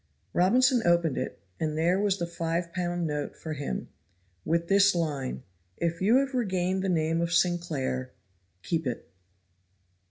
Robinson opened it, and there was the five pound note for him, with this line: "If you have regained the name of Sinclair, keep it."